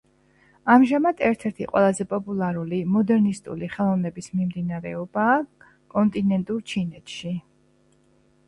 ამჟამად ერთ-ერთი ყველაზე პოპულარული მოდერნისტული ხელოვნების მიმდინარეობაა კონტინენტურ ჩინეთში.